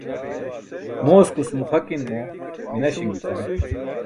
Mooskus muxakinmo minaśiṅ bican.